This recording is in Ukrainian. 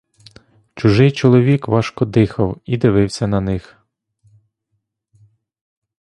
Чужий чоловік важко дихав і дивився на них.